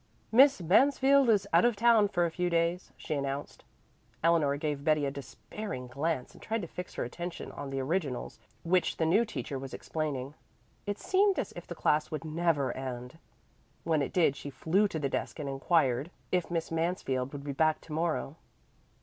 "Miss Mansfield is out of town for a few days," she announced. Eleanor gave Betty a despairing glance and tried to fix her attention on the "originals" which the new teacher was explaining. It seemed as if the class would never end. When it did she flew to the desk and inquired if Miss Mansfield would be back to morrow.